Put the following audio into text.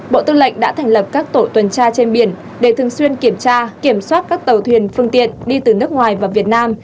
bộ tư lệnh đã thành lập các tổ tuần tra trên biển để thường xuyên kiểm tra kiểm soát các tàu thuyền phương tiện đi từ nước ngoài vào việt nam